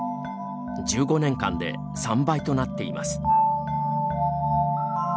１５年間で３倍となっています。